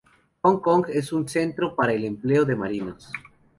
Hong Kong es un centro para el empleo de marinos.